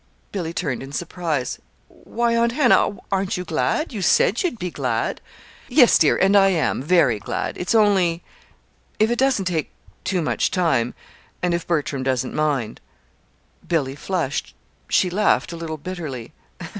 Billy turned in surprise. "Why, Aunt Hannah, aren't you glad? You said you'd be glad!" "Yes, dear; and I am very glad. It's only if it doesn't take too much time and if Bertram doesn't mind." Billy flushed. She laughed a little bitterly.